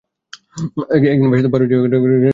একদিন বাসুদেব বাড়ুজ্যে সপরিবারে গ্রামত্যাগের আয়োজন করিলেন।